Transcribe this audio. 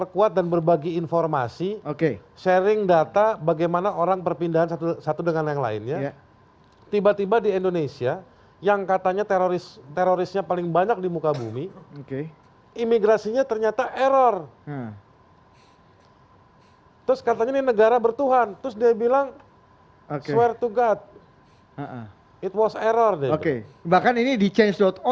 kan begitu saja